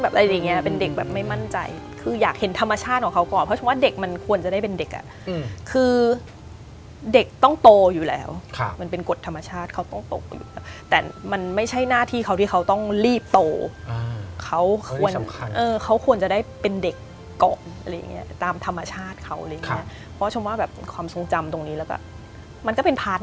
แบบอะไรอย่างเงี้ยเป็นเด็กแบบไม่มั่นใจคืออยากเห็นธรรมชาติของเขาก่อนเพราะฉันว่าเด็กมันควรจะได้เป็นเด็กอ่ะคือเด็กต้องโตอยู่แล้วมันเป็นกฎธรรมชาติเขาต้องโตแต่มันไม่ใช่หน้าที่เขาที่เขาต้องรีบโตเขาควรจะได้เป็นเด็กเกาะอะไรอย่างเงี้ยตามธรรมชาติเขาเพราะฉันว่าแบบความทรงจำตรงนี้แล้วก็มั